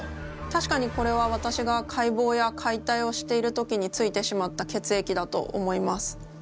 たしかにこれは私が解剖や解体をしている時についてしまった血液だと思います。